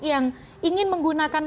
yang ingin menggunakan